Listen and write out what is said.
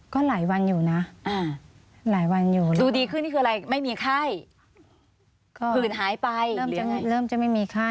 ก็หลายวันอยู่นะ